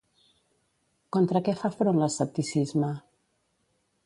Contra què fa front l'escepticisme?